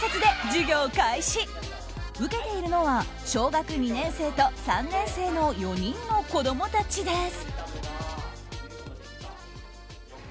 受けているのは小学２年生と３年生の４人の子供たちです。